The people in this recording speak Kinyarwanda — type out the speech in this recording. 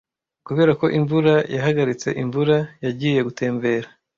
Kubera ko imvura yahagaritse imvura, yagiye gutembera.